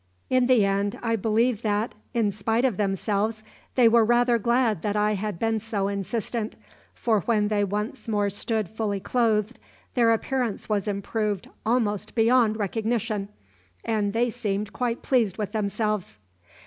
In the end I believe that, in despite of themselves, they were rather glad that I had been so insistent; for when they once more stood fully clothed their appearance was improved almost beyond recognition, and they seemed quite pleased with themselves.